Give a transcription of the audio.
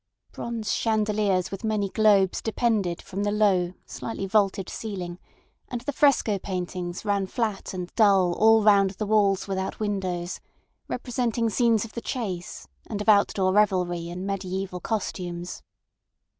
Bronze chandeliers with many globes depended from the low, slightly vaulted ceiling, and the fresco paintings ran flat and dull all round the walls without windows, representing scenes of the chase and of outdoor revelry in mediæval costumes.